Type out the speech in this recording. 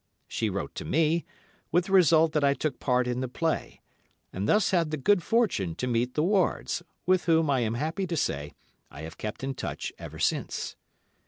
She wrote to me, with the result that I took part in the play, and thus had the good fortune to meet the Wards, with whom, I am happy to say, I have kept in touch ever since.